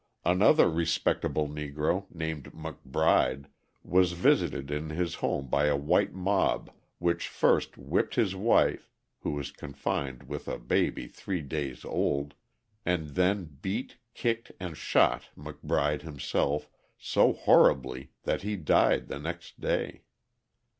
Another respectable Negro, named McBride, was visited in his home by a white mob, which first whipped his wife, who was confined with a baby three days old, and then beat, kicked, and shot McBride himself so horribly that he died the next day.